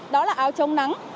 đó là áo trông nắng